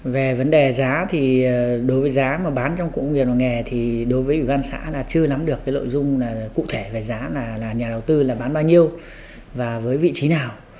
về vấn đề giá thì đối với giá mà bán trong khu công nghiệp làng nghề thì đối với ủy ban xã là chưa lắm được cái nội dung cụ thể về giá là nhà đầu tư là bán bao nhiêu và với vị trí nào